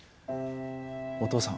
お父さん。